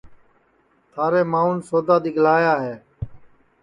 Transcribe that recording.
تھارے ماںٚون سودا گِھلایا ہے